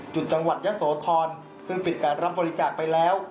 จังหวัดยะโสธรซึ่งปิดการรับบริจาคไปแล้ว